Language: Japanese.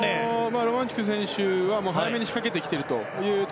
ロマンチュク選手は早めに仕掛けてきていますね。